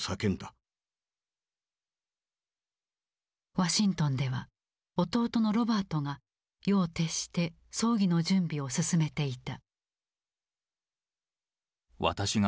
ワシントンでは弟のロバートが夜を徹して葬儀の準備を進めていた。